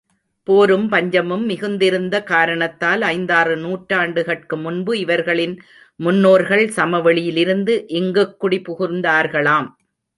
போரும் பஞ்சமும் மிகுந்திருந்த காரணத்தால், ஐந்தாறு நூற்றாண்டுகட்கு முன் இவர்களின் முன்னோர்கள் சமவெளியிலிருந்து இங்குக் குடிபுகுந்தார்களாம்.